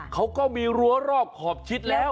เขาก็มีรั้วรอบขอบชิดแล้ว